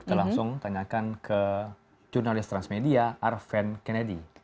kita langsung tanyakan ke jurnalis transmedia arven kennedy